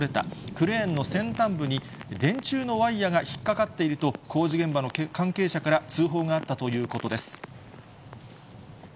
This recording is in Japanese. クレーンの先端部に電柱のワイヤが引っ掛かっていると、工事現場の関係者から通報があったということです。